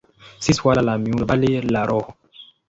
Si suala la miundo, bali la roho.